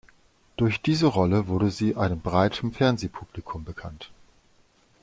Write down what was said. Durch diese Rolle wurde sie einem breiteren Fernsehpublikum bekannt.